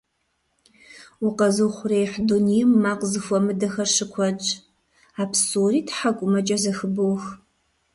Укъэзыухъуреихь дунейм макъ зэхуэмыдэхэр щыкуэдщ. А псори тхьэкӀумэкӀэ зэхыбох.